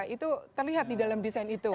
itu terlihat di dalam desain itu